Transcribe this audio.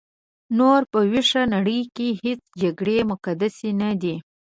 نور په ویښه نړۍ کې هیڅ جګړې مقدسې نه دي.